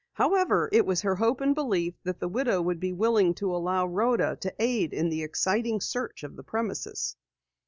However, it was her hope and belief that the widow would be willing to allow Rhoda to aid in the exciting search of the premises.